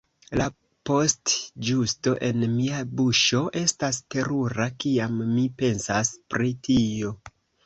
La postĝusto en mia buŝo estas terura kiam mi pensas pri tio.